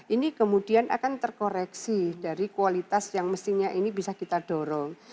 ini kemudian akan terkoreksi dari kualitas yang mestinya ini bisa kita dorong